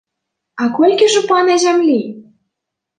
А колькі ж у пана зямлі?